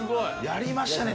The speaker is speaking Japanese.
やりましたね